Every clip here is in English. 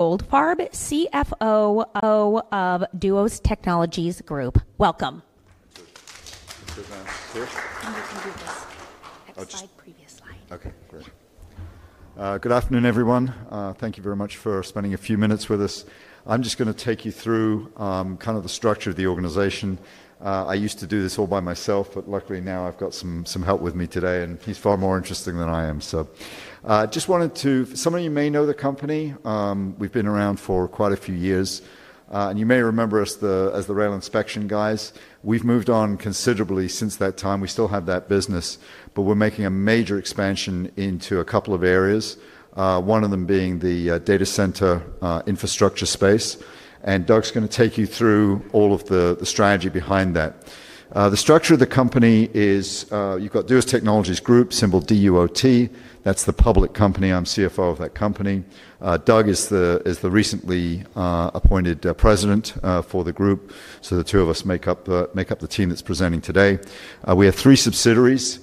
Goldfarb CFO of Duos Technologies Group, welcome. I've tried previous slide. Okay. Great. Good afternoon, everyone. Thank you very much for spending a few minutes with us. I'm just going to take you through kind of the structure of the organization. I used to do this all by myself, but luckily now I've got some help with me today, and he's far more interested than I am. I just wanted to, some of you may know the company. We've been around for quite a few years, and you may remember us as the rail inspection guys. We've moved on considerably since that time. We still have that business, but we're making a major expansion into a couple of areas, one of them being the data center infrastructure space. Doug is going to take you through all of the strategy behind that. The structure of the company is you've got Duos Technologies Group, symbol DUOT. That's the public company. I'm CFO of that company. Doug is the recently appointed President for the group. The two of us make up the team that's presenting today. We have three subsidiaries: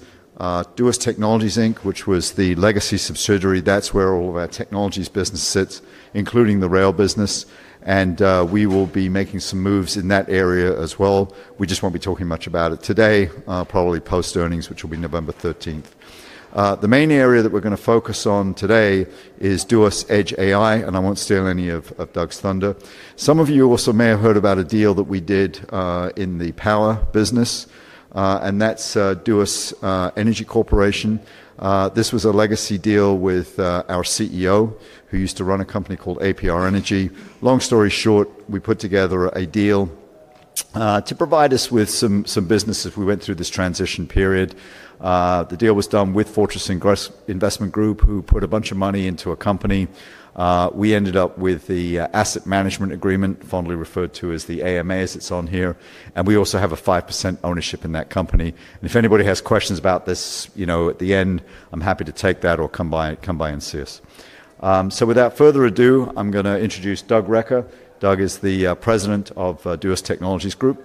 Duos Technologies Inc., which was the legacy subsidiary. That's where all of our technologies business sits, including the rail business. We will be making some moves in that area as well. We just won't be talking much about it today, probably post-earnings, which will be November 13th. The main area that we're going to focus on today is Duos Edge AI, and I won't steal any of Doug's thunder. Some of you also may have heard about a deal that we did in the power business, and that's Duos Energy Corporation. This was a legacy deal with our CEO, who used to run a company called APR Energy. Long story short, we put together a deal to provide us with some business as we went through this transition period. The deal was done with Fortress Investment Group, who put a bunch of money into a company. We ended up with the Asset Management Agreement, fondly referred to as the AMA, as it's on here. We also have a 5% ownership in that company. If anybody has questions about this, at the end, I'm happy to take that or come by and see us. Without further ado, I'm going to introduce Doug Recker. Doug is the President of Duos Technologies Group.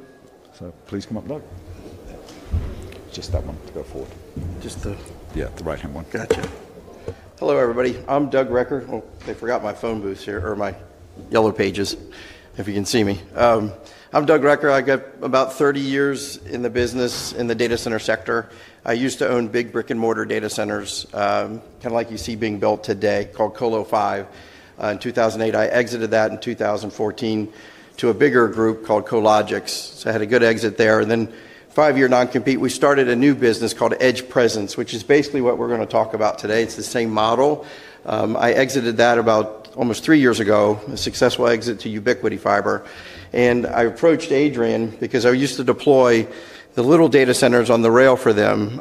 Please come up, Doug. It's just that one to go forward. Just the. Yeah, the right-hand one. Gotcha. Hello, everybody. I'm Doug Recker. Oh, they forgot my phone booths here or my yellow pages, if you can see me. I'm Doug Recker. I got about 30 years in the business in the data center sector. I used to own big brick-and-mortar data centers, kind of like you see being built today, called Colo5. In 2008, I exited that in 2014 to a bigger group called Cologix. I had a good exit there. After a five-year non-compete, we started a new business called EdgePresence, which is basically what we're going to talk about today. It's the same model. I exited that about almost three years ago, a successful exit to Ubiquiti Fiber. I approached Adrian because I used to deploy the little data centers on the rail for them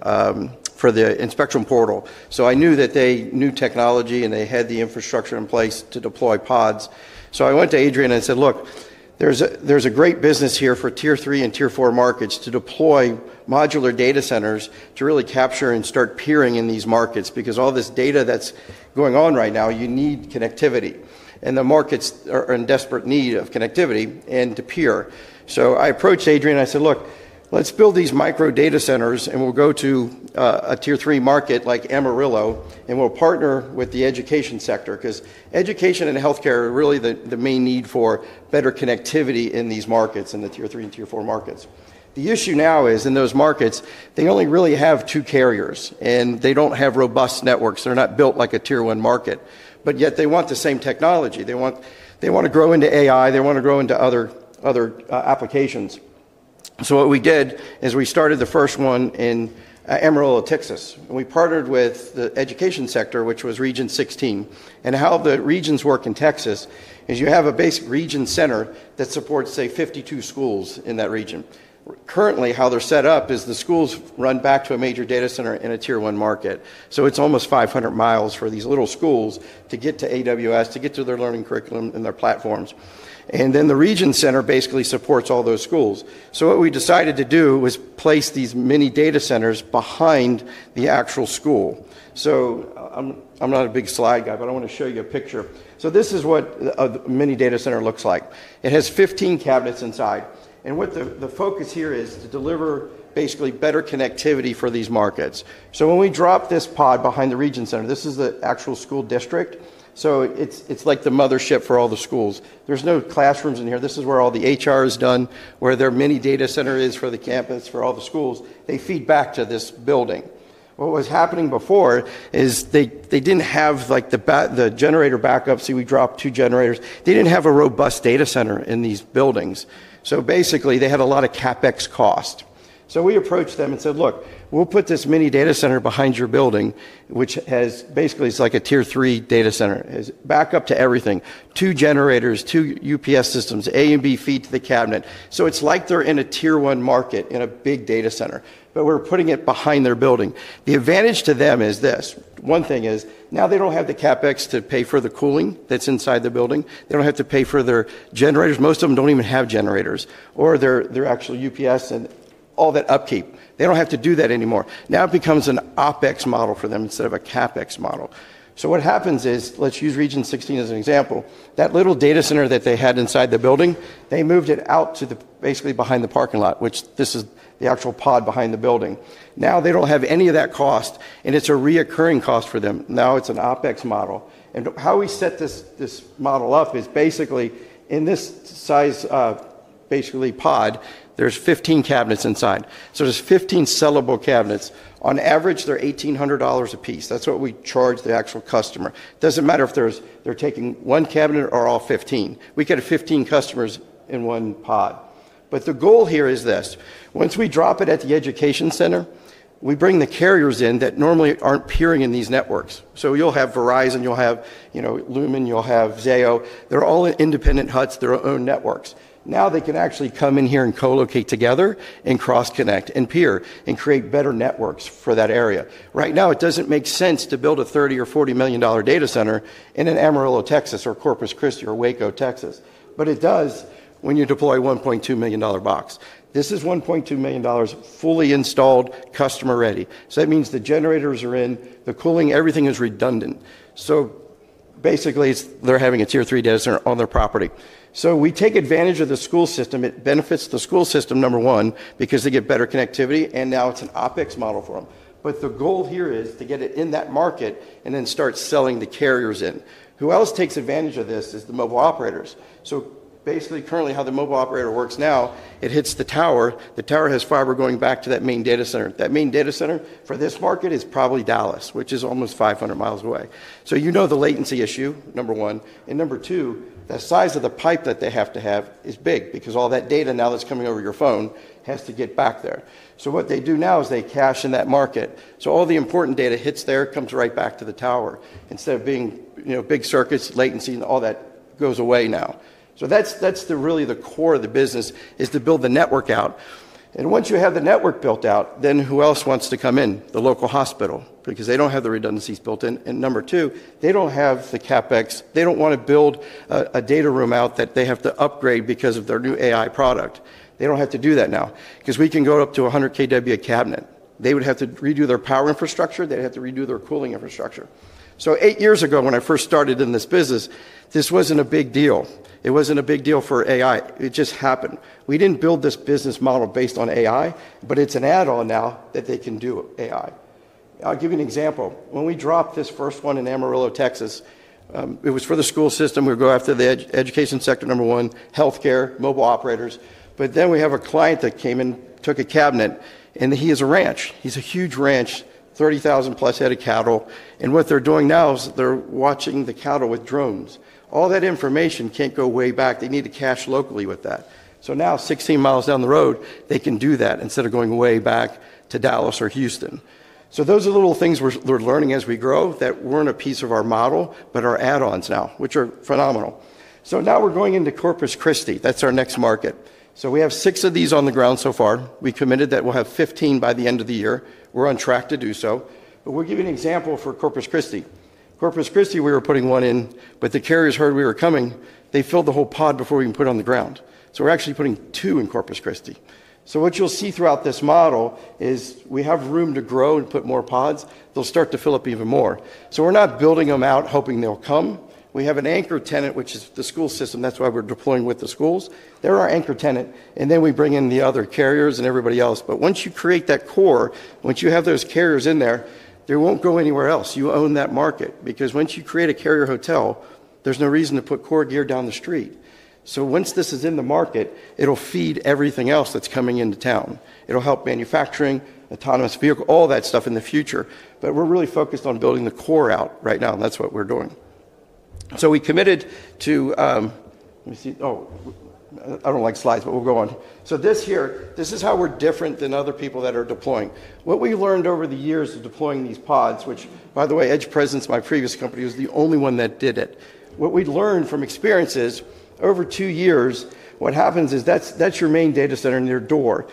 for the inspectrum portal. I knew that they knew technology and they had the infrastructure in place to deploy pods. I went to Adrian and I said, "Look, there's a great business here for tier three and tier four markets to deploy modular data centers to really capture and start peering in these markets because all this data that's going on right now, you need connectivity." The markets are in desperate need of connectivity and to peer. I approached Adrian and I said, "Look, let's build these micro data centers and we'll go to a tier three market like Amarillo and we'll partner with the education sector because education and healthcare are really the main need for better connectivity in these markets, in the tier three and tier four markets." The issue now is in those markets, they only really have two carriers and they don't have robust networks. They're not built like a tier one market, yet they want the same technology. They want to grow into AI, they want to grow into other applications. What we did is we started the first one in Amarillo, Texas. We partnered with the education sector, which was Region 16. How the regions work in Texas is you have a basic region center that supports, say, 52 schools in that region. Currently, how they're set up is the schools run back to a major data center in a tier one market. It's almost 500 mi for these little schools to get to AWS, to get to their learning curriculum and their platforms. The region center basically supports all those schools. We decided to place these mini data centers behind the actual school. I'm not a big slide guy, but I want to show you a picture. This is what a mini data center looks like. It has 15 cabinets inside. The focus here is to deliver basically better connectivity for these markets. When we drop this pod behind the region center, this is the actual school district. It's like the mothership for all the schools. There's no classrooms in here. This is where all the HR is done, where their mini data center is for the campus, for all the schools. They feed back to this building. What was happening before is they didn't have the generator backup. We dropped two generators. They didn't have a robust data center in these buildings. Basically, they had a lot of CapEx cost. We approached them and said, "Look, we'll put this mini data center behind your building, which basically is like a tier three data center, has backup to everything, two generators, two UPS systems, A and B feed to the cabinet." It's like they're in a tier one market in a big data center, but we're putting it behind their building. The advantage to them is this. One thing is now they don't have the CapEx to pay for the cooling that's inside the building. They don't have to pay for their generators. Most of them don't even have generators or their actual UPS and all that upkeep. They don't have to do that anymore. Now it becomes an OpEx model for them instead of a CapEx model. What happens is, let's use Region 16 as an example, that little data center that they had inside the building, they moved it out to basically behind the parking lot, which this is the actual pod behind the building. Now they don't have any of that cost and it's a recurring cost for them. Now it's an OpEx model. How we set this model up is basically in this size, basically pod, there's 15 cabinets inside. There's 15 sellable cabinets. On average, they're $1,800 a piece. That's what we charge the actual customer. It doesn't matter if they're taking one cabinet or all 15. We get 15 customers in one pod. The goal here is this. Once we drop it at the education center, we bring the carriers in that normally aren't peering in these networks. You'll have Verizon, you'll have Lumen, you'll have Zayo. They're all in independent huts, their own networks. Now they can actually come in here and co-locate together and cross-connect and peer and create better networks for that area. Right now, it doesn't make sense to build a $30 million or $40 million data center in Amarillo, Texas, or Corpus Christi or Waco, Texas. It does when you deploy a $1.2 million box. This is $1.2 million fully installed, customer-ready. That means the generators are in, the cooling, everything is redundant. Basically, they're having a tier three data center on their property. We take advantage of the school system. It benefits the school system, number one, because they get better connectivity and now it's an OpEx model for them. The goal here is to get it in that market and then start selling the carriers in. Who else takes advantage of this is the mobile operators. Basically, currently how the mobile operator works now, it hits the tower. The tower has fiber going back to that main data center. That main data center for this market is probably Dallas, which is almost 500 mi away. You know the latency issue, number one. Number two, the size of the pipe that they have to have is big because all that data now that's coming over your phone has to get back there. What they do now is they cache in that market. All the important data hits there, comes right back to the tower. Instead of being big circuits, latency and all that goes away now. That's really the core of the business, to build the network out. Once you have the network built out, who else wants to come in? The local hospital, because they don't have the redundancies built in. Number two, they don't have the CapEx. They don't want to build a data room out that they have to upgrade because of their new AI product. They don't have to do that now because we can go up to 100 kW a cabinet. They would have to redo their power infrastructure, they'd have to redo their cooling infrastructure. Eight years ago, when I first started in this business, this wasn't a big deal. It wasn't a big deal for AI. It just happened. We didn't build this business model based on AI, but it's an add-on now that they can do AI. I'll give you an example. When we dropped this first one in Amarillo, Texas, it was for the school system. We would go after the education sector, number one, healthcare, mobile operators. We have a client that came in, took a cabinet, and he has a ranch. He's a huge ranch, 30,000+ head of cattle. What they're doing now is they're watching the cattle with drones. All that information can't go way back. They need to cache locally with that. Now, 16 mi down the road, they can do that instead of going way back to Dallas or Houston. Those are the little things we're learning as we grow that weren't a piece of our model, but are add-ons now, which are phenomenal. Now we're going into Corpus Christi. That's our next market. We have six of these on the ground so far. We committed that we'll have 15 by the end of the year. We're on track to do so. I'll give you an example for Corpus Christi. Corpus Christi, we were putting one in, but the carriers heard we were coming, they filled the whole pod before we could put it on the ground. We're actually putting two in Corpus Christi. What you'll see throughout this model is we have room to grow and put more pods. They'll start to fill up even more. We're not building them out hoping they'll come. We have an anchor tenant, which is the school system. That's why we're deploying with the schools. They're our anchor tenant, and then we bring in the other carriers and everybody else. Once you create that core, once you have those carriers in there, they won't go anywhere else. You own that market because once you create a carrier hotel, there's no reason to put core gear down the street. Once this is in the market, it'll feed everything else that's coming into town. It'll help manufacturing, autonomous vehicle, all that stuff in the future. We're really focused on building the core out right now, and that's what we're doing. We committed to, let me see, oh, I don't like slides, but we'll go on. This here, this is how we're different than other people that are deploying. What we learned over the years of deploying these pods, which by the way, EdgePresence, my previous company, was the only one that did it. What we learned from experience is over two years, what happens is that's your main data center near door.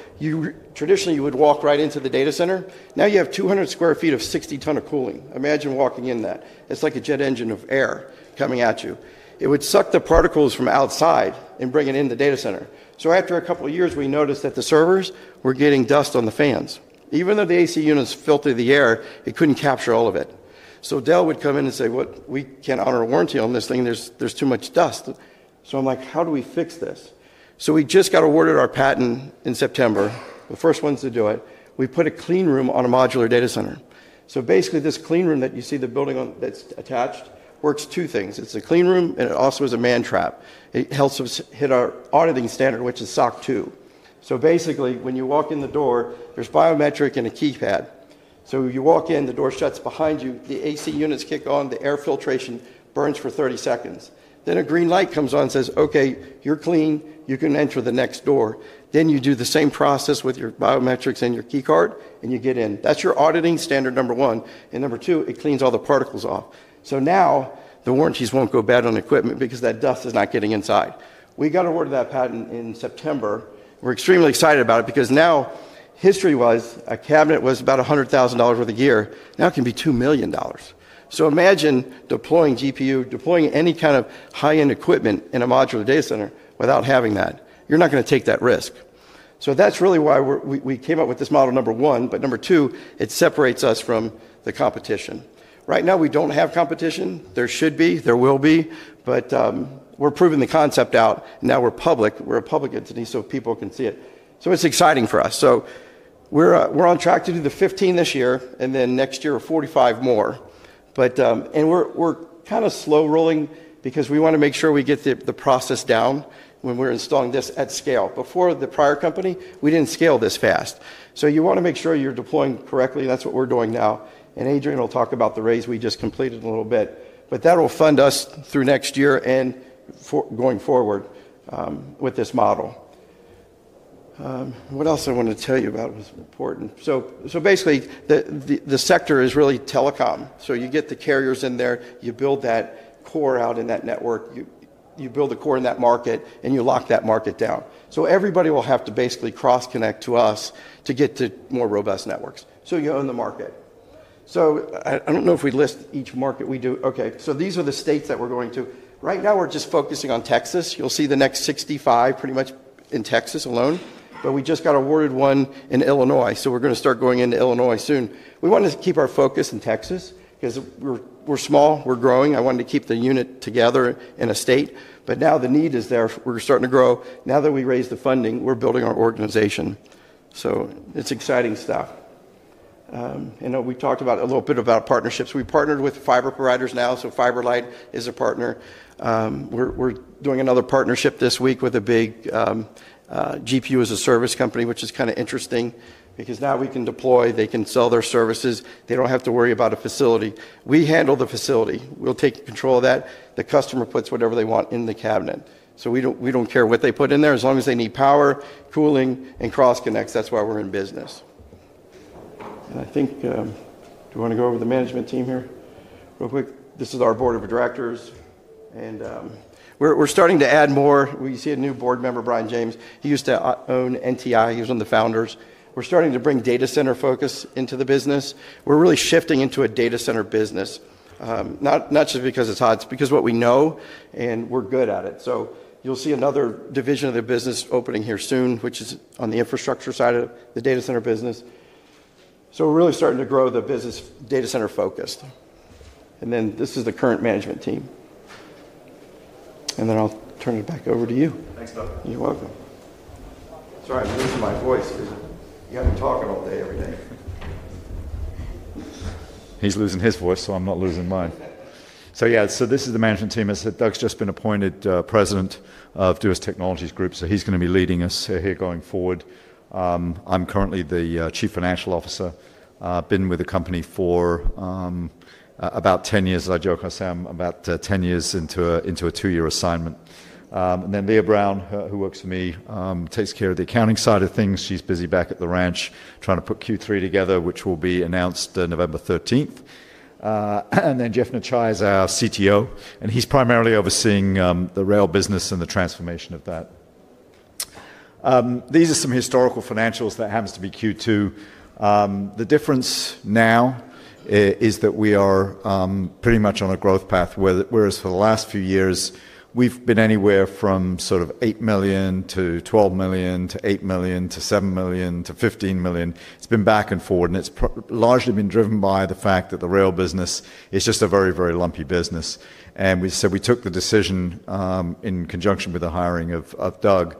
Traditionally, you would walk right into the data center. Now you have 200 sq ft of 60 ton of cooling. Imagine walking in that. It's like a jet engine of air coming at you. It would suck the particles from outside and bring it in the data center. After a couple of years, we noticed that the servers were getting dust on the fans. Even though the AC units filter the air, it couldn't capture all of it. Dell would come in and say, "We can't honor a warranty on this thing. There's too much dust." I'm like, "How do we fix this?" We just got awarded our patent in September, the first ones to do it. We put a clean room on a modular data center. Basically, this clean room that you see, the building that's attached, works two things. It's a clean room and it also is a man trap. It helps us hit our auditing standard, which is SOC 2. When you walk in the door, there's biometric and a keypad. You walk in, the door shuts behind you, the AC units kick on, the air filtration burns for 30 seconds. A green light comes on and says, "Okay, you're clean. You can enter the next door." You do the same process with your biometrics and your key card and you get in. That's your auditing standard, number one. Number two, it cleans all the particles off. Now the warranties won't go bad on equipment because that dust is not getting inside. We got awarded that patent in September. We're extremely excited about it because now, history-wise, a cabinet was about $100,000 worth of gear. Now it can be $2 million. Imagine deploying GPU, deploying any kind of high-end equipment in a modular data center without having that. You are not going to take that risk. That's really why we came up with this model, number one. Number two, it separates us from the competition. Right now, we don't have competition. There should be, there will be, but we're proving the concept out. Now we're public. We're a public entity so people can see it. It's exciting for us. We're on track to do the 15 this year and next year are 45 more. We're kind of slow rolling because we want to make sure we get the process down when we're installing this at scale. Before the prior company, we didn't scale this fast. You want to make sure you're deploying correctly. That's what we're doing now. Adrian will talk about the raise we just completed in a little bit, but that'll fund us through next year and going forward with this model. What else I wanted to tell you about was important. Basically, the sector is really telecom. You get the carriers in there, you build that core out in that network, you build a core in that market, and you lock that market down. Everybody will have to basically cross-connect to us to get to more robust networks. You own the market. I don't know if we list each market we do. Okay, these are the states that we're going to. Right now, we're just focusing on Texas. You'll see the next 65 pretty much in Texas alone, but we just got awarded one in Illinois. We're going to start going into Illinois soon. We wanted to keep our focus in Texas because we're small, we're growing. I wanted to keep the unit together in a state, but now the need is there. We're starting to grow. Now that we raised the funding, we're building our organization. It's exciting stuff. We've talked a little bit about partnerships. We partnered with fiber providers now. FiberLight is a partner. We're doing another partnership this week with a big GPU as a service company, which is kind of interesting because now we can deploy, they can sell their services, they don't have to worry about a facility. We handle the facility. We'll take control of that. The customer puts whatever they want in the cabinet. We don't care what they put in there as long as they need power, cooling, and cross-connects. That's why we're in business. Do you want to go over the management team here real quick? This is our board of directors. We're starting to add more. We see a new board member, Brian James. He used to own NTI. He was one of the founders. We're starting to bring data center focus into the business. We're really shifting into a data center business, not just because it's hot, it's because of what we know and we're good at it. You'll see another division of the business opening here soon, which is on the infrastructure side of the data center business. We're really starting to grow the business data center focused. This is the current management team. I'll turn it back over to you. Thanks, Doug. You're welcome. Sorry, I'm losing my voice because you had me talking all day every day. He's losing his voice, so I'm not losing mine. This is the management team. As I said, Doug's just been appointed President of Duos Technologies Group. He is going to be leading us here going forward. I'm currently the Chief Financial Officer. I've been with the company for about 10 years. As I joke with Sam, about 10 years into a two-year assignment. Leah Brown, who works for me, takes care of the accounting side of things. She's busy back at the ranch trying to put Q3 together, which will be announced November 13th. Jeff Necciai is our CTO, and he's primarily overseeing the rail business and the transformation of that. These are some historical financials. That happens to be Q2. The difference now is that we are pretty much on a growth path, whereas for the last few years, we've been anywhere from sort of $8 million to $12 million to $8 million to $7 million to $15 million. It's been back and forth, and it's largely been driven by the fact that the rail business is just a very, very lumpy business. We took the decision in conjunction with the hiring of Doug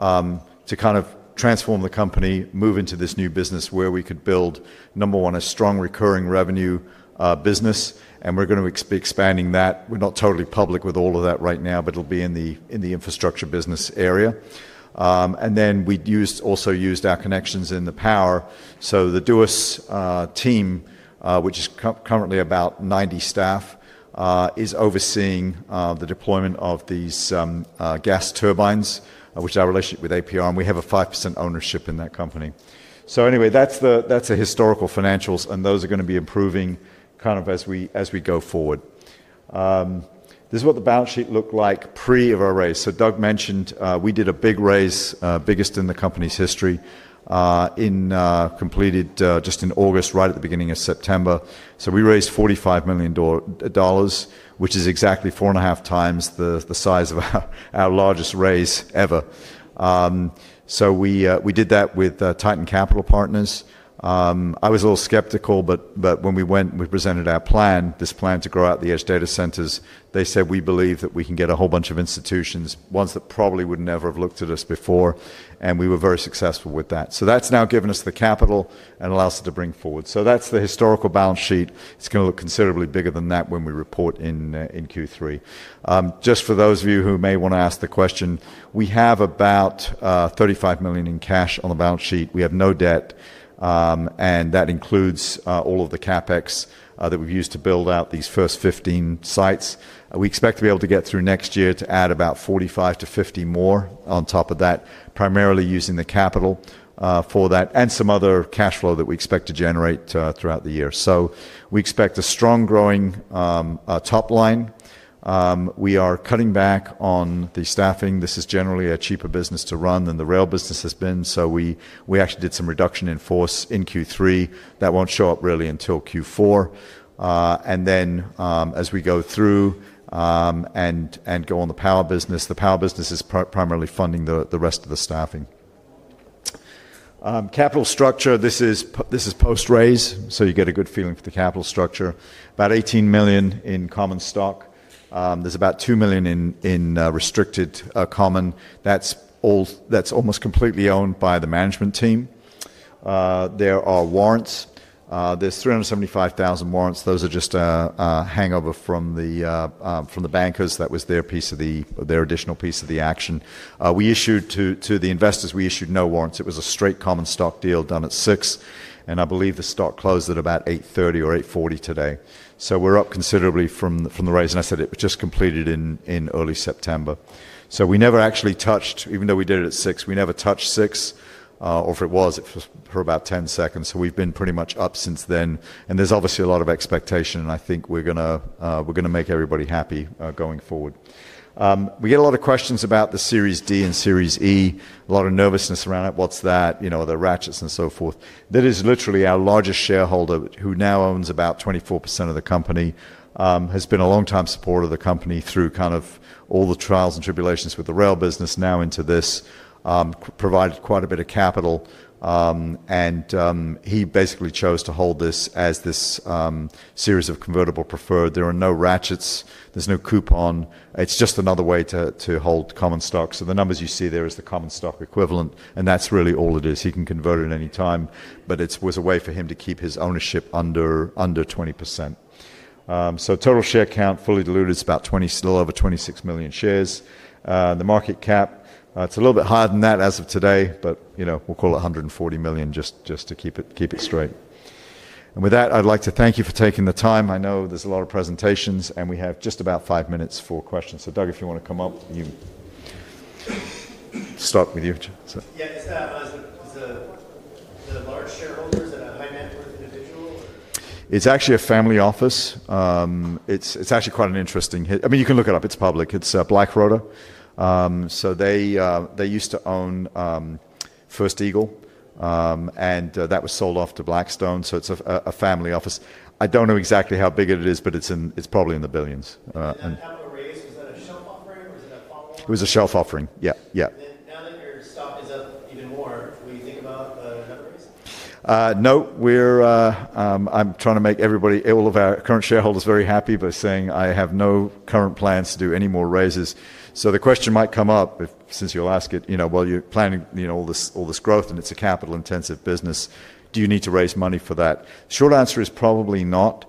to kind of transform the company, move into this new business where we could build, number one, a strong recurring revenue business. We are going to be expanding that. We're not totally public with all of that right now, but it'll be in the infrastructure business area. We also used our connections in the power. The Duos team, which is currently about 90 staff, is overseeing the deployment of these gas turbines, which is our relationship with APR, and we have a 5% ownership in that company. That's the historical financials, and those are going to be improving as we go forward. This is what the balance sheet looked like pre-raise. Doug mentioned we did a big raise, biggest in the company's history, completed just in August, right at the beginning of September. We raised $45 million, which is exactly 4.5x the size of our largest raise ever. We did that with Titan Capital Partners. I was a little skeptical, but when we went and we presented our plan, this plan to grow out the edge data centers, they said, "We believe that we can get a whole bunch of institutions, ones that probably would never have looked at us before." We were very successful with that. That's now given us the capital and allows us to bring forward. That's the historical balance sheet. It's going to look considerably bigger than that when we report in Q3. Just for those of you who may want to ask the question, we have about $35 million in cash on the balance sheet. We have no debt, and that includes all of the CapEx that we've used to build out these first 15 sites. We expect to be able to get through next year to add about $45 million-$50 million more on top of that, primarily using the capital for that and some other cash flow that we expect to generate throughout the year. We expect a strong growing top line. We are cutting back on the staffing. This is generally a cheaper business to run than the rail business has been. We actually did some reduction in force in Q3. That won't show up really until Q4. As we go through and go on the power business, the power business is primarily funding the rest of the staffing. Capital structure, this is post-raise, so you get a good feeling for the capital structure. About $18 million in common stock. There's about $2 million in restricted common. That's almost completely owned by the management team. There are warrants. There's 375,000 warrants. Those are just a hangover from the bankers. That was their piece of the additional piece of the action. We issued to the investors, we issued no warrants. It was a straight common stock deal done at $6. I believe the stock closed at about $8.30 or $8.40 today. We're up considerably from the raise. I said it was just completed in early September. We never actually touched, even though we did it at $6, we never touched $6, or if it was, it was for about 10 seconds. We've been pretty much up since then. There's obviously a lot of expectation, and I think we're going to make everybody happy going forward. We get a lot of questions about the Series D and Series E, a lot of nervousness around it. What's that? Are there ratchets and so forth? That is literally our largest shareholder who now owns about 24% of the company, has been a long-time supporter of the company through kind of all the trials and tribulations with the rail business, now into this, provided quite a bit of capital. He basically chose to hold this as this series of convertible preferred. There are no ratchets, there's no coupon. It's just another way to hold common stock. The numbers you see there is the common stock equivalent, and that's really all it is. He can convert it at any time, but it was a way for him to keep his ownership under 20%. Total share count fully diluted, it's about a little over 26 million shares. The market cap, it's a little bit higher than that as of today, but we'll call it $140 million just to keep it straight. With that, I'd like to thank you for taking the time. I know there's a lot of presentations, and we have just about five minutes for questions. Doug, if you wanna come up, you start with you. Yeah, is the large shareholders a high net worth individual or? It's actually a family office. It's actually quite an interesting, I mean, you can look it up. It's public. It's Black Rotor. They used to own First Eagle, and that was sold off to Blackstone. It's a family office. I don't know exactly how big it is, but it's probably in the billions. Was that raise a shelf offering or was that a follow-up? It was a shelf offering, yeah. Now that your stock is up even more, will you think about another raise? No, I'm trying to make everybody, all of our current shareholders very happy by saying I have no current plans to do any more raises. The question might come up since you'll ask it, you know, while you're planning all this growth and it's a capital-intensive business, do you need to raise money for that? Short answer is probably not.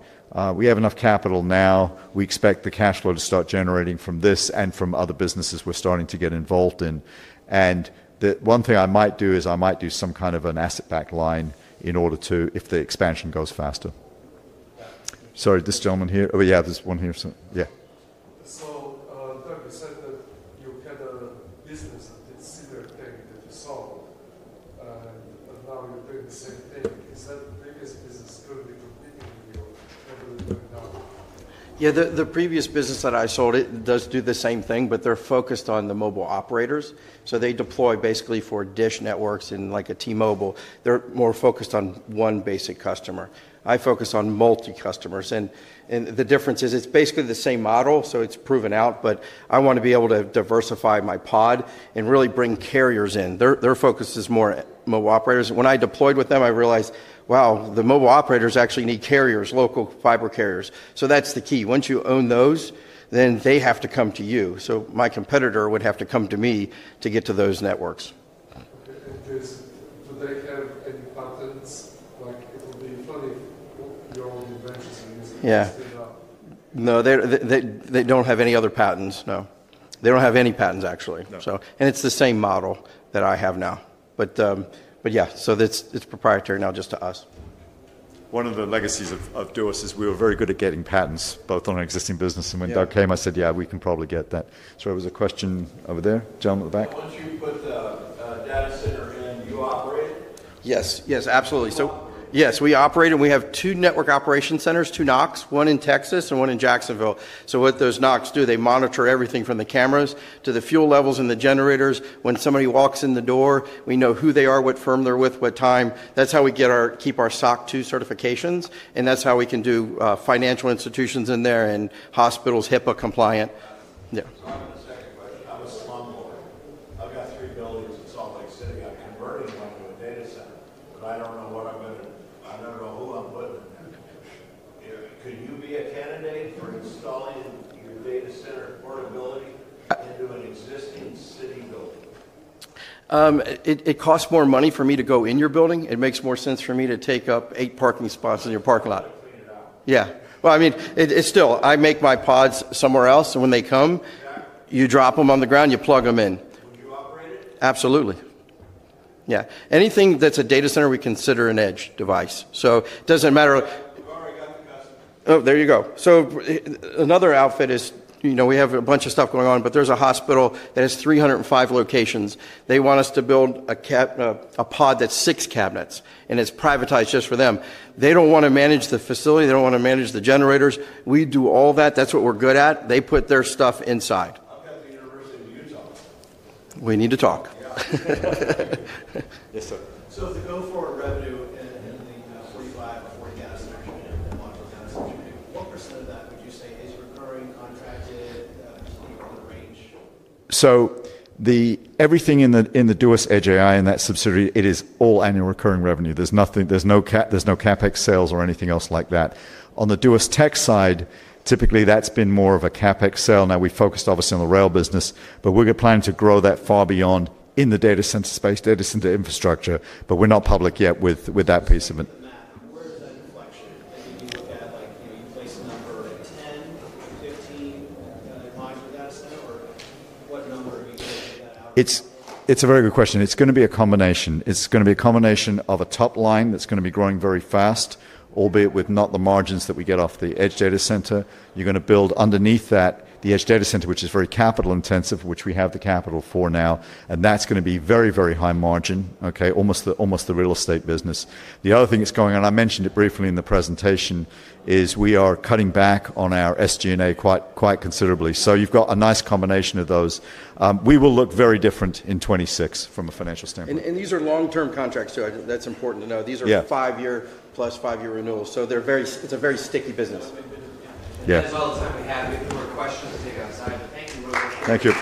We have enough capital now. We expect the cash flow to start generating from this and from other businesses we're starting to get involved in. The one thing I might do is I might do some kind of an asset back line in order to, if the expansion goes faster. Sorry, this gentleman here. Oh, yeah, there's one here. Yeah. Doug, you said that you had a business that did a similar thing that you sold, and now you're doing the same thing. Is that previous business currently competing with you or what are they doing now? Yeah, the previous business that I sold does do the same thing, but they're focused on the mobile operators. They deploy basically for DISH Network and like a T-Mobile. They're more focused on one basic customer. I focus on multi-customers. The difference is it's basically the same model, so it's proven out. I want to be able to diversify my pod and really bring carriers in. Their focus is more mobile operators. When I deployed with them, I realized, wow, the mobile operators actually need carriers, local fiber carriers. That's the key. Once you own those, then they have to come to you. My competitor would have to come to me to get to those networks. Do they have any patents? It'll be funny if your own inventors are using this in the. No, they don't have any other patents, no. They don't have any patents, actually. It's the same model that I have now. Yeah, it's proprietary now just to us. One of the legacies of Duos is we were very good at getting patents both on an existing business. When Doug came, I said, "Yeah, we can probably get that." Sorry, was there a question over there? Gentleman at the back? Once you put the data center in, you operate it? Yes, absolutely. Yes, we operate and we have two network operation centers, two NOCs, one in Texas and one in Jacksonville. What those NOCs do, they monitor everything from the cameras to the fuel levels in the generators. When somebody walks in the door, we know who they are, what firm they're with, what time. That's how we keep our SOC 2 certifications. That's how we can do financial institutions in there and hospitals, HIPAA compliant. Yeah. I have a second question. I'm a slum boy. I've got three buildings in Salt Lake City. I'm converting one to a data center, but I don't know what I'm going to, I don't know who I'm putting in there. Could you be a candidate for installing your data center portability into an existing city building? It costs more money for me to go in your building. It makes more sense for me to take up eight parking spots in your parking lot. You'll clean it out. I mean, it's still, I make my pods somewhere else, and when they come, you drop them on the ground, you plug them in. Will you operate it? Absolutely. Yeah. Anything that's a data center, we consider an edge device. It doesn't matter. You've already got the customer. There you go. Another outfit is, you know, we have a bunch of stuff going on, but there's a hospital that has 305 locations. They want us to build a pod that's six cabinets, and it's privatized just for them. They don't want to manage the facility. They don't want to manage the generators. We do all that. That's what we're good at. They put their stuff inside. I've got the University of Utah on it. We need to talk. Yeah. Yes, sir. If the go-forward revenue in the 45 or 40 cabinets that you're doing and the modular cabinets that you're doing, what percent of that would you say is recurring, contracted, just on the range? Everything in the Duos Edge AI and that subsidiary, it is all annual recurring revenue. There's no CapEx sales or anything else like that. On the Duos Tech side, typically that's been more of a CapEx sale. We've focused obviously on the rail business, but we're planning to grow that far beyond in the data center space, data center infrastructure, but we're not public yet with that piece of it. Where does that inflection? Do you look at, like, you know, you place a number at 10, 15, and then you mine for the data center or what number are you getting with that out? It's a very good question. It's going to be a combination. It's going to be a combination of a top line that's going to be growing very fast, albeit with not the margins that we get off the edge data center. You are going to build underneath that, the edge data center, which is very capital intensive, which we have the capital for now. That's going to be very, very high margin, almost the real estate business. The other thing that's going on, I mentioned it briefly in the presentation, is we are cutting back on our SG&A quite considerably. You have a nice combination of those. We will look very different in 2026 from a financial standpoint. These are long-term contracts too. That's important to know. These are five-year plus five-year renewals. It's a very sticky business. Yeah. That's all the time we have. If you have more questions, take it outside, but thank you very much. Thank you.